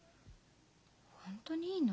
本当にいいの？